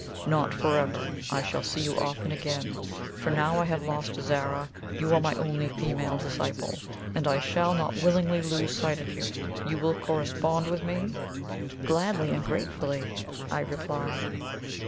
Not for ever; I shall see you often again. For now I have lost Zara, you are my only female disciple, and I shall not willingly lose sight of you. You will correspond with me?" "Gladly and gratefully," I replied.